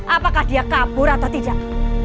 apakah dia kabur atau tidak